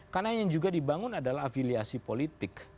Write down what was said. karena yang juga dibangun adalah afiliasi politik